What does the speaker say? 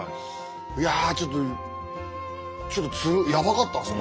いやあちょっとちょっとやばかったんですよ